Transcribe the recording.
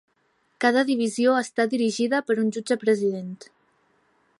Cada divisió està dirigida per un jutge president.